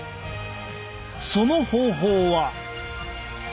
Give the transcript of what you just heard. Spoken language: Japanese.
その方法は。